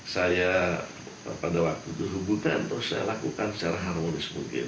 saya pada waktu itu rebutan terus saya lakukan secara harmonis mungkin